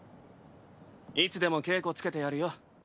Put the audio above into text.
いつでも稽古つけてやるよ。